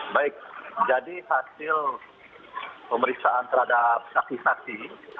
baik jadi hasil pemeriksaan terhadap saksi saksi